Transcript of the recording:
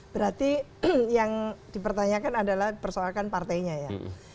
berarti yang dipertanyakan adalah persoalkan partainya ya